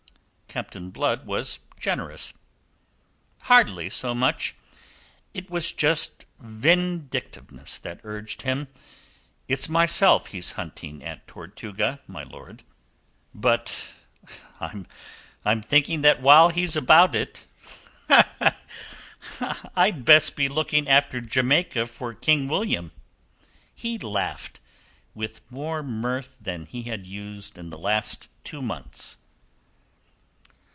Captain Blood was generous. "Hardly so much. It was just vindictiveness that urged him. It's myself he's hunting at Tortuga, my lord. But, I'm thinking that while he's about it, I'd best be looking after Jamaica for King William." He laughed, with more mirth than he had used in the last two months.